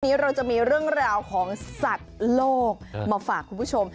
วันนี้เราจะมีเรื่องราวของสัตว์โลกมาฝากคุณผู้ชม